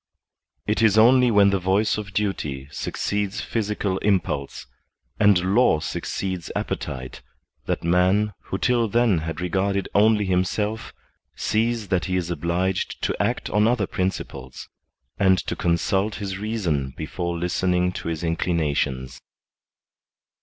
It is only when the voice of duty succeeds physical impulse, and law succeeds appetite, that man, who till then had regarded only himself, sees that he is obliged to act on other principles, and to consult his reason before listen ing to his inclinations.